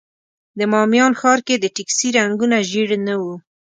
د بامیان ښار کې د ټکسي رنګونه ژېړ نه وو.